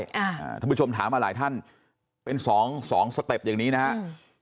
อ่าท่านผู้ชมถามมาหลายท่านเป็นสองสองสเต็ปอย่างนี้นะครับ